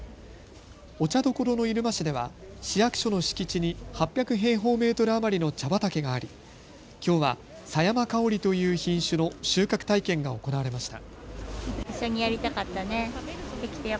お茶どころの入間市では市役所の敷地に８００平方メートル余りの茶畑がありきょうは、さやまかおりという品種の収穫体験が行われました。